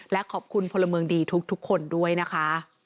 และขอบคุณพลเมืองดีทุกคนด้วยนะคะ